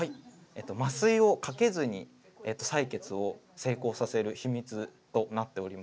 麻酔をかけずに採血を成功させる秘密となっておりまして。